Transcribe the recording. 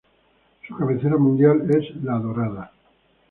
Su cabecera municipal es La Dorada.